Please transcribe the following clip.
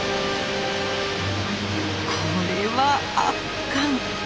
これは圧巻！